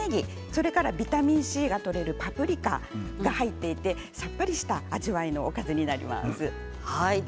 それからビタミンＣがとれるパプリカが入っていてさっぱりとした味わいのおかずになります。